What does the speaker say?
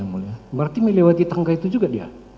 berarti melewati tangga itu juga dia